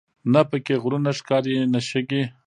نه په کې غرونه ښکاري نه شګې.